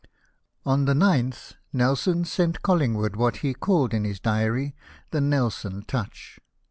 On the 9th, Nelson sent CoUingwood what he called in his diary the Nelson touch.